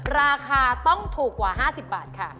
ราคาต้องถูกกว่า๕๐บาทค่ะ